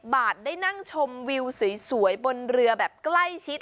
บาทได้นั่งชมวิวสวยบนเรือแบบใกล้ชิด